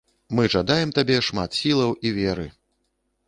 Мы жадаем табе шмат сілаў і веры!